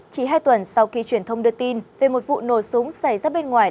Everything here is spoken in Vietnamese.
chỉ hai tuần sau khi truyền thông đưa tin về một vụ nổ súng xảy ra bên ngoài